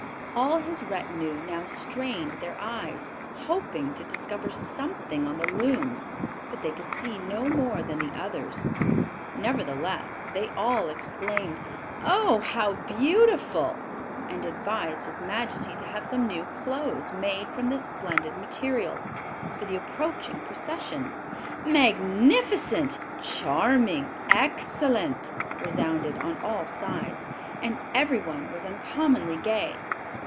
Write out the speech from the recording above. All his retinue now strained their eyes, hoping to discover something on the looms, but they could see no more than the others; nevertheless, they all exclaimed, "Oh, how beautiful!" and advised his majesty to have some new clothes made from this splendid material, for the approaching procession. "Magnificent! Charming! Excellent!" resounded on all sides; and everyone was uncommonly gay.